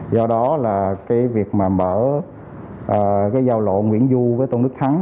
do đó là cái việc mà mở cái giao lộ nguyễn du với tôn đức thắng